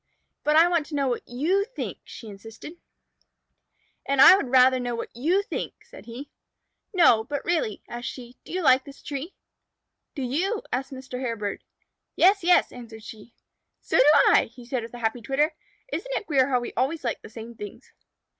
"But I want to know what you think," she insisted. "And I would rather know what you think," said he. "No, but really," asked she, "do you like this tree?" "Do you?" asked Mr. Hairbird. "Yes, yes," answered she. "So do I!" he said, with a happy twitter. "Isn't it queer how we always like the same things?"